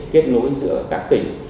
kết nối giữa các tỉnh